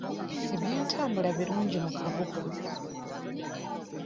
Ebyentambula birungi mu kabuga.